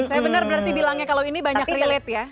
saya benar berarti bilangnya kalau ini banyak relate ya